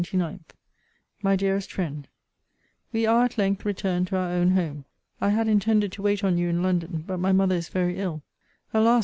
MY DEAREST FRIEND, We are at length returned to our own home. I had intended to wait on you in London: but my mother is very ill Alas!